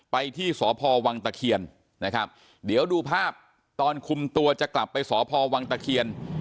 ไปที่สพวังตะเคียนนะครับเดี๋ยวดูภาพตอนคุมตัวจะกลับไปสพวังตะเคียน